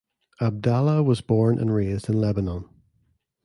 Abdallah was born and raised in Lebanon.